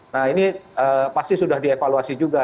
nah ini pasti sudah dievaluasi juga